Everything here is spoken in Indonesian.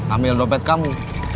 ambil dompet kamu